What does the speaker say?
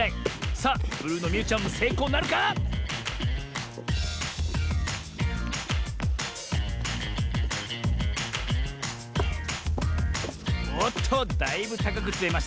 さあブルーのみゆちゃんもせいこうなるか⁉おっとだいぶたかくつめましたねえ。